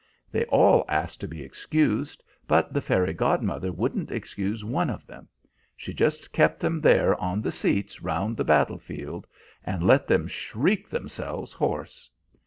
They all asked to be excused, but the fairy godmother wouldn't excuse one of them. She just kept them there on the seats round the battle field, and let them shriek themselves hoarse.